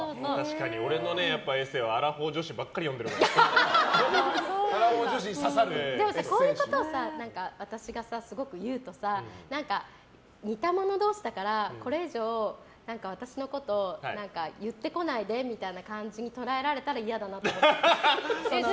俺のエッセーはアラフォー女子ばっかりでも、こういうことを私がすごく言うとさ似た者同士だからこれ以上私のこと言ってこないでみたいな感じに捉えられたら嫌だなと思ってる。